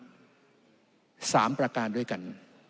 การแก้ไขครั้งนี้เนี่ยมันมีลักษณะสำคัญสามประการด้วยกัน